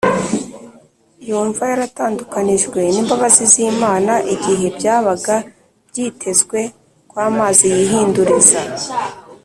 , yumva yaratandukanijwe n’imbabazi z’Imana. Igihe byabaga byitezwe ko amazi yihinduriza,